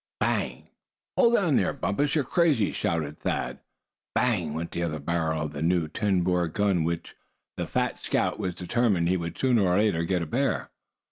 "Bang!" "Hold on there, Bumpus, you're crazy!" shouted Thad. "Bang!" went the other barrel of the new ten bore gun, with which the fat scout was determined he would sooner or later get a bear.